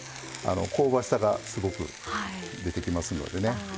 香ばしさがすごく出てきますのでね。